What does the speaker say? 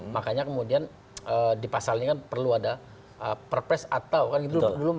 makanya kemudian di pasalnya kan perlu ada purpose atau